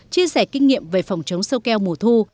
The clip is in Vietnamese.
chia sẻ kinh nghiệm về phòng chống sâu keo mùa thu